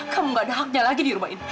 kamu gak ada haknya lagi di rumah ini